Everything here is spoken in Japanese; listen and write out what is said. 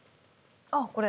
あっこれ。